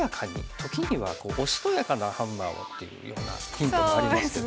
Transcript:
「時にはおしとやかなハンマーを」っていうようなヒントもありますけど。